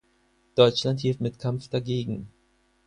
Deutschland hielt mit Kampf dagegen.